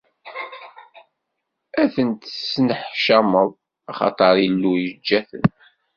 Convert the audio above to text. Ad ten-tesneḥcameḍ, axaṭer Illu yeǧǧa-ten.